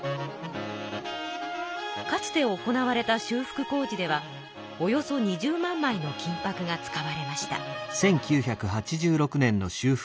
かつて行われた修復工事ではおよそ２０万まいの金ぱくが使われました。